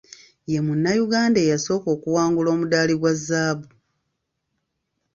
Ye Munnayuganda eyasooka okuwangula omudaali gwa zzaabu.